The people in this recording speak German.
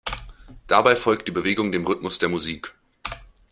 Dabei folgt die Bewegung dem Rhythmus der Musik.